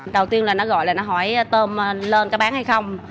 đầu tiên là nó gọi là nó hỏi tôm lên ta bán hay không